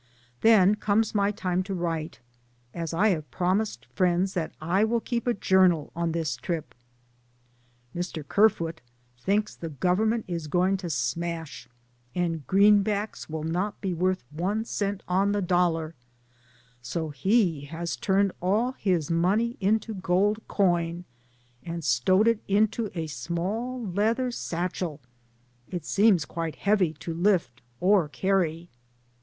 Then comes my time to write, as I have promised friends that I will keep a journal on this trip. Mr. Kerfoot thinks the Government is going to smash and green backs will not be worth one cent on the dol lar, so he has turned all his money into gold coin, and stowed it into a small leather 6 DAYS ON THE ROAD. satchel — it seems quite heavy to Hft or carry.